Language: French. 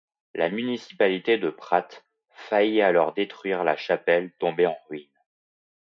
La municipalité de Prat faillit alors détruire la chapelle tombée en ruine.